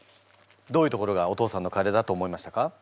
どういうところがお父さんのカレーだと思いましたか？